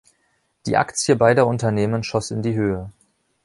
Die Aktie beider Unternehmen schoss in die Höhe.